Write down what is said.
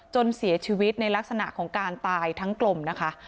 จนเสียชีวิตในลักษณะของการตายทั้งกลมนะคะ